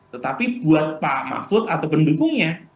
tetapi buat pak mahfud atau pendukungnya